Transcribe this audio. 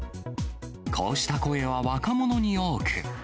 こうした声は若者に多く。